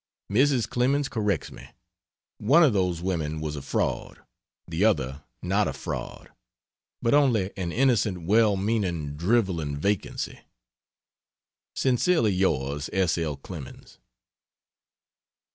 Mrs. Clemens corrects me: One of those women was a fraud, the other not a fraud, but only an innocent, well meaning, driveling vacancy. Sincerely yours, S. L. CLEMENS.